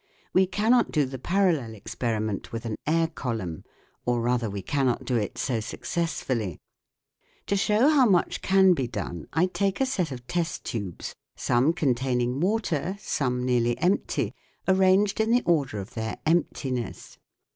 We cannot do the parallel experiment with an air column ; or rather we cannot do it so successfully. To show how much can 4 8 THE WORLD OF SOUND be done, I take a set of test tubes, some containing water, some nearly empty, arranged in the order of their emptiness.